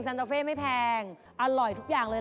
ตาเฟ่ไม่แพงอร่อยทุกอย่างเลย